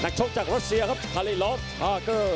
นักชมจากรัสเชียร์ครับคาลิลอฟทาร์เกอร์